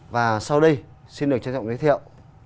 và sau đây xin được trân trọng giới thiệu